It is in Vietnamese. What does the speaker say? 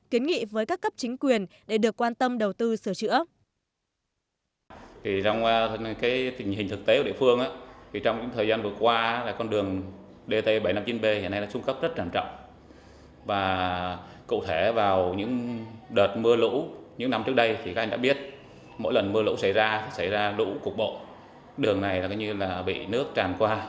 kiến nghị với các cấp chính quyền để được quan tâm đầu tư sửa chữa